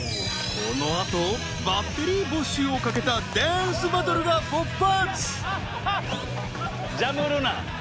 このあとバッテリー没収をかけたダンスバトルが勃発